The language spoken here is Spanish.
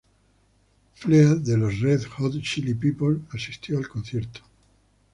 Flea de los Red Hot Chili Peppers asistió al concierto.